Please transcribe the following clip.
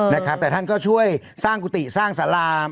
นะครับแต่ท่านก็ช่วยสร้างกุฏิสร้างสาราม